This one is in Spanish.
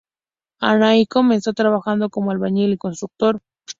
Aníbal comenzó trabajando como albañil y constructor.